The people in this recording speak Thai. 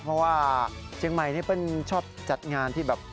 เพราะว่าเชียงใหม่นี่เป็นชอบจัดงานที่แบบ